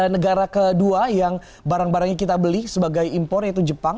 negara kedua yang barang barangnya kita beli sebagai impor yaitu jepang